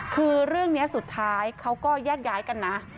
คือเรื่องนี้สุดท้ายเขาก็แยกย้ายกันนะ